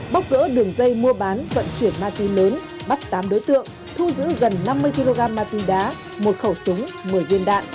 bóc rỡ đường dây mua bán vận chuyển ma túy lớn bắt tám đối tượng thu giữ gần năm mươi kg ma túy đá một khẩu súng một mươi viên đạn